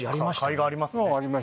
甲斐がありますね